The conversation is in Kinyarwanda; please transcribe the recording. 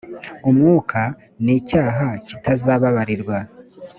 umwuka ni icyaha kitazababarirwa